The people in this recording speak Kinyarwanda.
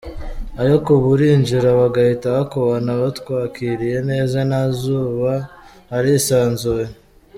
Ariko ubu urinjira bagahita bakubona batwakiriye neza ntazuba, harisanzuye.